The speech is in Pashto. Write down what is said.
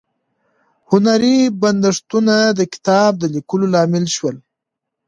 هنري بندښتونه د کتاب د لیکلو لامل شول.